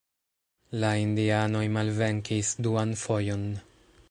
La indianoj malvenkis duan fojon.